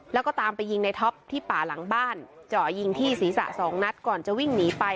แล้วก็ตามไปยิงในท็อปที่ป่าหลังบ้านเจาะยิงที่ศีรษะสองนัดก่อนจะวิ่งหนีไป